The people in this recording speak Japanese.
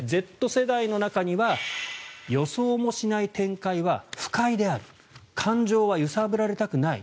Ｚ世代の中には予想もしない展開は不快である感情は揺さぶられたくない